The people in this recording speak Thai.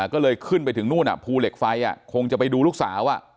ก็เลยขึ้นไปถึงนู่นภูเหล็กไฟคงจะไปดูลูกสาว